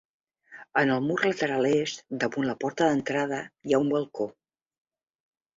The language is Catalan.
En el mur lateral est, damunt la porta d'entrada, hi ha un balcó.